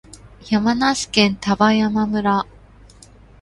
山梨県丹波山村